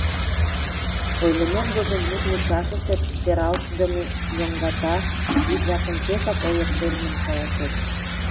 — Ойлымет годым мут мучашысе пералтдыме йоҥгата йӱк-влакым пешак ойыртемын каласет.